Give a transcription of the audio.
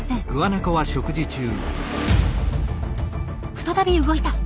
再び動いた！